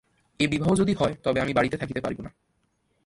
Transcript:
এ বিবাহ যদি হয় তবে আমি বাড়িতে থাকিতে পারিব না।